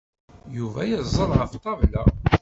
Yuba yeẓẓel ɣef ṭṭabla.